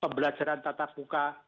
pembelajaran tatap muka